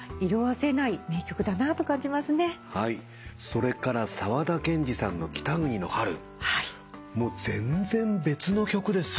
それから沢田研二さんの『北国の春』もう全然別の曲ですよ。